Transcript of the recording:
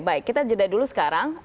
baik kita jeda dulu sekarang